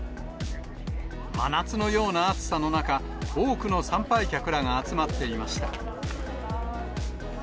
真夏のような暑さの中、多くの参拝客らが集まっていました。